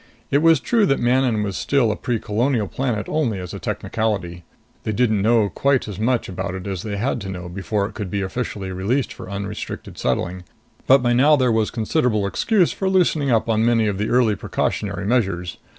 It was true that Manon was still a precolonial planet only as a technicality. They didn't know quite as much about it as they had to know before it could be officially released for unrestricted settling, but by now there was considerable excuse for loosening up on many of the early precautionary measures.